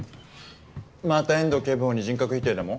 また遠藤警部補に人格否定でも？